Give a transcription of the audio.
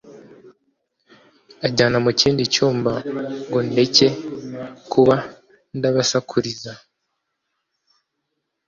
anjyana mukindi cyumba ngo ndeke kuba ndabasakuriza